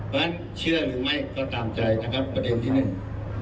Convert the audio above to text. เพราะฉะนั้นเชื่อหรือไม่ก็ตามใจนะครับประเด็นที่หนึ่ง